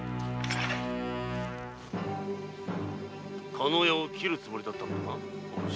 加納屋を切るつもりだったのだなお主。